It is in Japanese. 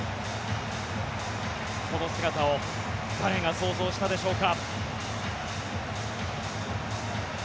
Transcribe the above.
この姿を誰が想像したでしょうか。